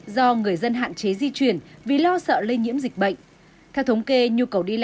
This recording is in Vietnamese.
do người dân hạn chế di chuyển vì lo sợ lây nhiễm dịch bệnh